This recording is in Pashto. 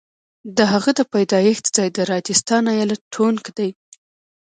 د هغه د پیدایښت ځای د راجستان ایالت ټونک دی.